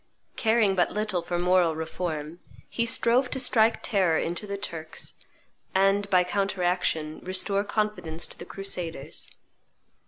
Caring but little for moral reform, he strove to strike terror into the Turks, and, by counteraction, restore confidence to the crusaders.